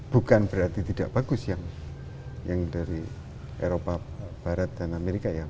bukan berarti tidak bagus yang dari eropa barat dan amerika